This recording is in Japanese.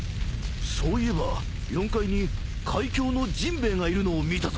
そういえば４階に海侠のジンベエがいるのを見たぞ。